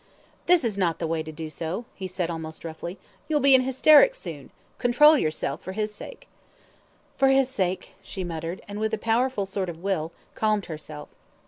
"This is not the way to do so," he said, almost roughly, "you'll be in hysterics soon control yourself for his sake." "For his sake," she muttered, and with a powerful effort of will, calmed herself.